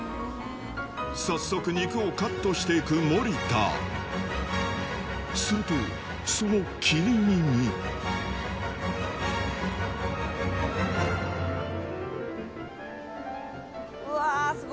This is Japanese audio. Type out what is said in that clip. さっそく肉をカットしていく森田するとその切り身にうわすご！